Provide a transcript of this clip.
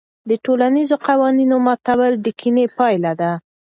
د ټولنیزو قوانینو ماتول د کینې پایله ده.